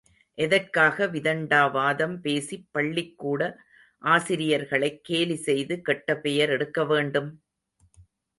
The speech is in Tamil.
எதற்காக விதண்டாவாதம் பேசி பள்ளிக்கூட ஆசிரியர்களைக் கேலி செய்து கெட்டபெயர் எடுக்க வேண்டும்?